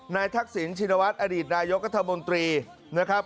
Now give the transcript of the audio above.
ทักษิณชินวัฒน์อดีตนายกัธมนตรีนะครับ